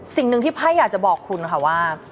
สิ่งหนึ่งที่ไพ่อยากจะบอกคุณค่ะว่า